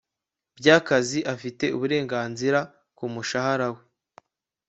by akazi afite uburenganzira ku mushahara we